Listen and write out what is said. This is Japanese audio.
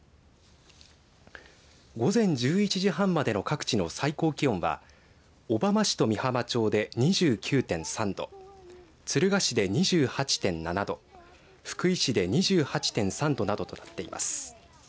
午前１１時半までの各地の最高気温は小浜市と美浜町で２９．３度敦賀市で２８．７度福井市で２８．３度などとなっています。